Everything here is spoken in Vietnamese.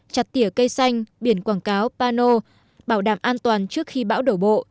chặt tỉa cây xanh biển quảng cáo pano bảo đảm an toàn trước khi bão đổ bộ